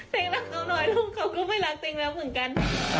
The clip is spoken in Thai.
ติ๊งรักเขาหน่อยแล้วเขาก็ไม่รักติ๊งแล้วเหมือนกัน